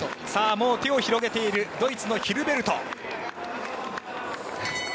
もう手を広げているドイツのヒルベルト。